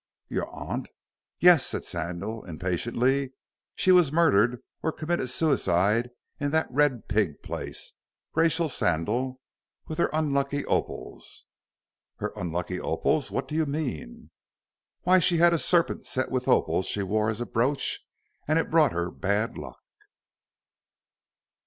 "Your aunt?" "Yes," said Sandal, impatiently, "she was murdered, or committed suicide in that 'Red Pig' place. Rachel Sandal with her unlucky opals." "Her unlucky opals! What do you mean?" "Why, she had a serpent set with opals she wore as a brooch, and it brought her bad luck."